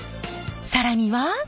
更には。